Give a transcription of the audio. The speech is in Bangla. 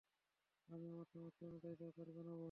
আমি আমার সামর্থ্য অনুযায়ী যা পারি বানাবো।